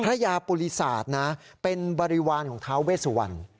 ยาปุริศาสตร์นะเป็นบริวารของท้าเวสวรรณ